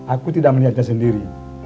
aku tidak meniatnya sendiri